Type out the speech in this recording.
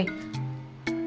gak ada apa apa